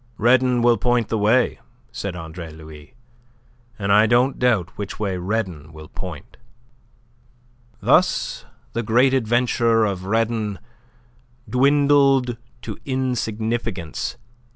"Redon will point the way," said Andre Louis, "and I don't doubt which way Redon will point." Thus the great adventure of Redon dwindled to insignificance.